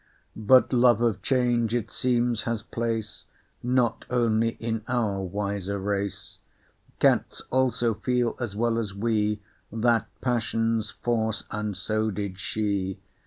But love of change, it seems, has place Not only in our wiser race; Cats also feel, as well as we, That passion's force, and so did she.